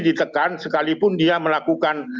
ditekan sekalipun dia melakukan